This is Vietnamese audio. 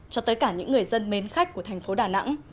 cho tới cả những người dân mến khách của thành phố đà nẵng